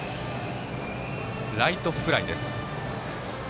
ライトフライです。